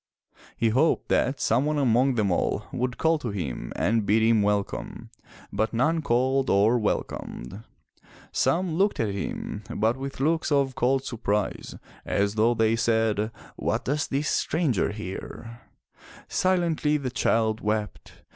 He hoped that some one among them all would call to him and bid him welcome, but none called or welcomed. Some looked at him, but with looks of cold surprise as though they said, What does this stranger here?" Silently the child wept.